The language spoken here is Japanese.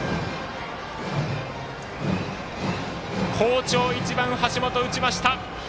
好調１番、橋本、打ちました。